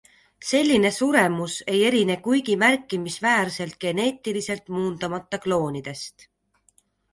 Selline suremus ei erine kuigi märkimisväärselt geneetiliselt muundamata kloonidest.